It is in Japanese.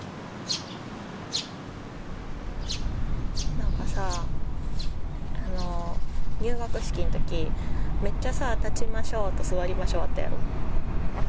なんかさぁ、入学式のとき、めっちゃさ、立ちましょうと座りましょう、あったやろ？